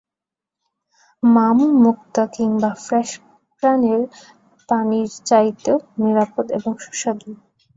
মাম-মুক্তা কিংবা ফ্রেস-প্রাণের পানির চাইতেও নিরাপদ এবং সুস্বাদু।